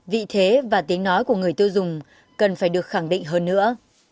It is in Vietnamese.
vị thế và tiếng nói của người tiêu dùng cần phải được khẳng định hơn nữa